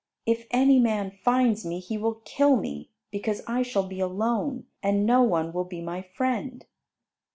If any man finds me he will kill me, because I shall be alone, and no one will be my friend."